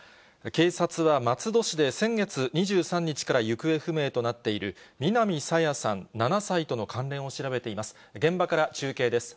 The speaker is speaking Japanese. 警察は松戸市で先月２３日から行方不明となっている、南朝芽さん７歳との関連を調べています。